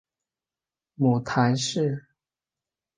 母谈氏。